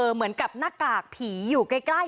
เหมือนกับหน้ากากผีอยู่ใกล้